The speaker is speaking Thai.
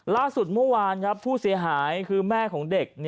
ล่าสุดเมื่อวานครับผู้เสียหายคือแม่ของเด็ก